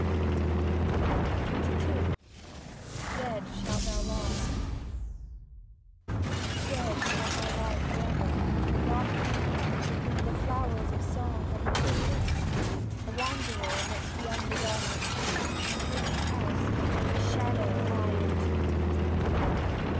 36 XXII DEAD SHALT THOU LIE Dead shalt thou lie for ever, and forgotten, For whom the flowers of song have never bloomed ; A wanderer amidst the unbegotten. In Hades' house a shadow ay entombed.